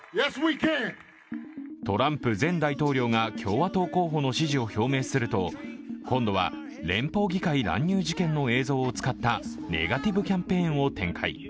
トランプ前大統領が共和党候補の支持を表明すると今度は連邦議会乱入事件の映像を使ったネガティブキャンペーンを展開。